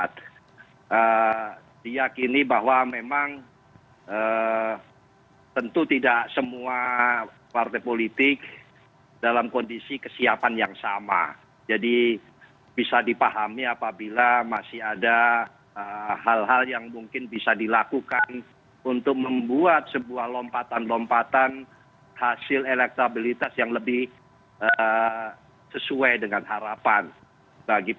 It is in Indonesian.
terima kasih bung saiful yang sudah memberikan rincian lebih detail berkaitan dengan kesiapan partai untuk memasuki pemilu serentak empat belas februari dua ribu dua puluh empat